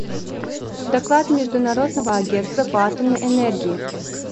Доклад Международного агентства по атомной энергии.